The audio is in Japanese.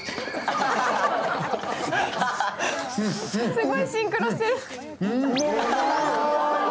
すごいシンクロしてる。